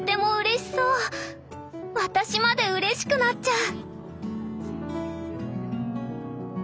私までうれしくなっちゃう！